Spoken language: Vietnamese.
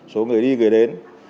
số người đi người đến